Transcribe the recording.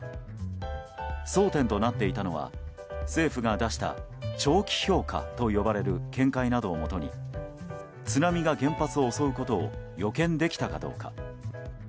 争点となっていたのは政府が出した長期評価と呼ばれる見解などをもとに津波が原発を襲うことを予見できたどうか。